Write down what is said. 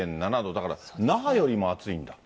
だから那覇よりも暑いんだ。